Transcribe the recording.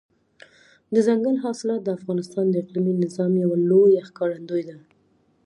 دځنګل حاصلات د افغانستان د اقلیمي نظام یوه لویه ښکارندوی ده.